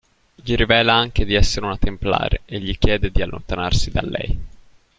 Gli rivela anche di essere una Templare e gli chiede di allontanarsi da lei.